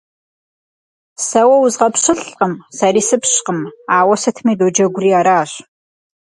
Сэ уэ узгъэпщылӀкъым, сэри сыпщкъым, ауэ сытми доджэгури аращ.